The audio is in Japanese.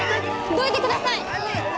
どいてください！